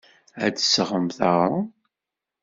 Ad d-tesɣemt aɣrum.